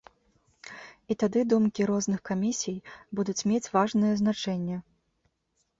І тады думкі розных камісій будуць мець важнае значэнне.